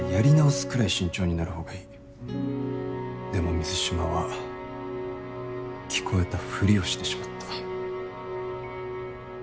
でも水島は聞こえたふりをしてしまった。